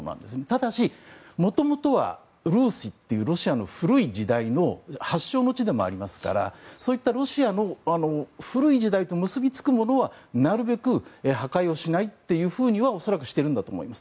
ただし、元々はルーシというロシアの古い時代の発祥の地でもありますからそういったロシアの古い時代と結びつくものはなるべく破壊をしないとは恐らくしているんだろうと思います。